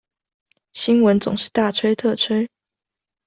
新聞總是大吹特吹